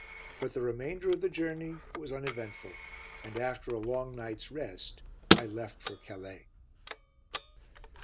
But the remainder of the journey was uneventful, and after a long night's rest I left for Calais.